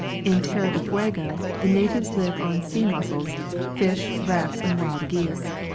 In Terra del Fuego the natives live on sea mussels, fish, rats and wild geese.